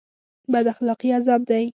بد اخلاقي عذاب دی